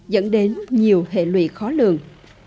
dẫn đến nhiều hệ lụy khó lường